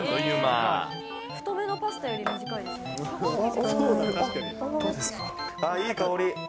あっ、いい香り。